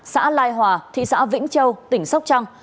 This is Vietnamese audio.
xã lai hòa thị xã vĩnh châu tỉnh sóc trăng